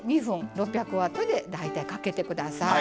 ６００Ｗで大体かけて下さい。